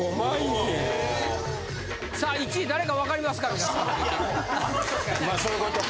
さあ１位誰かわかりますか皆さん？